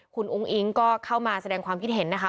คุณอุ้งอิ๊งก็เข้ามาแสดงความคิดเห็นนะคะ